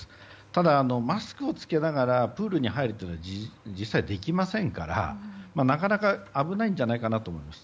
ただ、マスクを着けながらプールに入ることは実際できませんからなかなか危ないんじゃないかと思います。